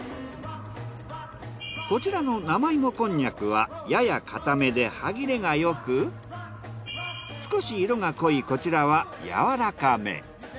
こちらの生芋こんにゃくはやや固めで歯切れがよく少し色が濃いこちらはやわらかめ。